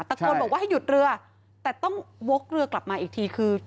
ตะโกนบอกว่าให้หยุดเรือแต่ต้องวกเรือกลับมาอีกทีคือ